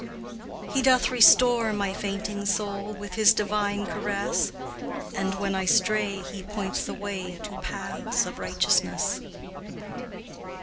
He doth restore my fainting soul With His divine caress, And, when I stray, He points the way To paths of righteousness.